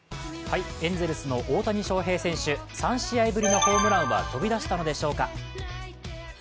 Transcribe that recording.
エンゼルスの大谷翔平選手３試合ぶりホームランは飛び出したのでしょうか？